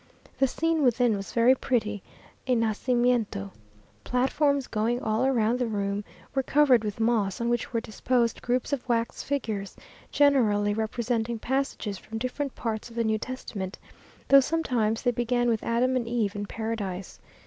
The scene within was very pretty: a nacimiento. Platforms, going all round the room, were covered with moss, on which were disposed groups of wax figures, generally representing passages from different parts of the New Testament, though sometimes they begin with Adam and Eve in paradise.